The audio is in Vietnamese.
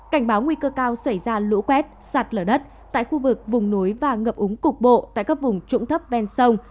cảnh báo nguy cơ cao xảy ra lũ quét sạt lở đất tại khu vực vùng núi và ngập úng cục bộ tại các vùng trũng thấp ven sông